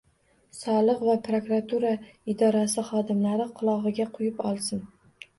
Soliq va prokuratura idorasi xodimlari qulogʻiga quyib olsin.